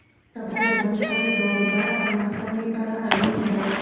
کابل د افغانستان د دوامداره پرمختګ لپاره اړین دي.